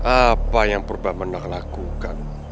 apa yang purba menaklakukan